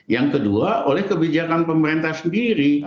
yang kedua oleh kebijakan pemerintah sendiri